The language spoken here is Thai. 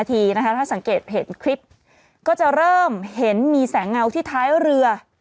ถ้าสังเกตเห็นคลิปก็จะเริ่มเห็นมีแสงเงาที่ท้ายเรือ